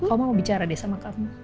kamu mau bicara deh sama kamu